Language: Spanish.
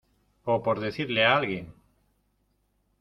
o por decirle a alguien.